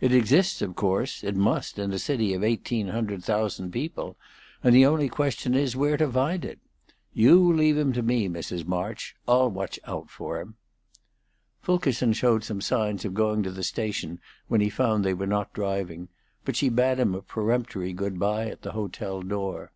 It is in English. It exists, of course; it must in a city of eighteen hundred thousand people, and the only question is where to find it. You leave him to me, Mrs. March; I'll watch out for him." Fulkerson showed some signs of going to the station when he found they were not driving, but she bade him a peremptory good bye at the hotel door.